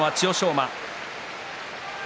馬。